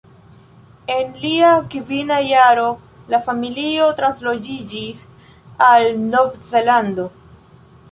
En lia kvina jaro la familio transloĝiĝis al Nov-Zelando.